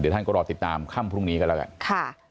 เดี๋ยวท่านก็รอติดตามคำพรุ่งนี้กันแล้วกัน